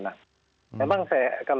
nah memang saya